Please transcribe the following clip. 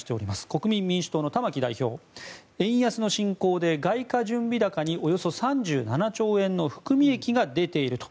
国民民主党の玉木代表円安の進行で外貨準備高におよそ３７兆円の含み益が出ていると。